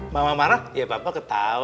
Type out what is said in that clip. kalau kamu marah saya ketawa